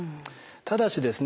ただしですね